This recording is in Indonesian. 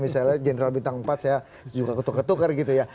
misalnya general bintang empat saya juga ketukar tukar gitu ya